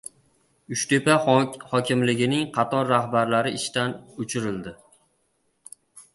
Uchtepa hokimligining qator rahbarlari ishdan “uchirildi”